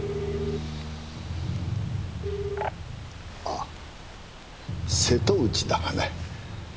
あ瀬戸内だがね。